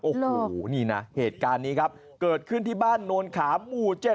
โอ้โหนี่นะเหตุการณ์นี้ครับเกิดขึ้นที่บ้านโนนขามหมู่๗